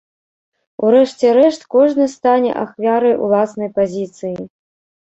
У рэшце рэшт, кожны стане ахвярай уласнай пазіцыі.